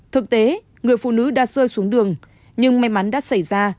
thực tế người phụ nữ đã rơi xuống đường nhưng may mắn đã xảy ra